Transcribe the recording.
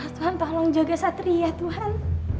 tuhan tolong jaga satria tuhan